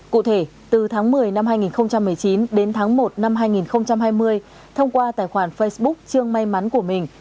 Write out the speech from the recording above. cụ thể từ tháng một mươi năm hai nghìn một mươi chín đến tháng một năm hai nghìn hai mươi thông qua tài khoản facebook trương may mắn của mình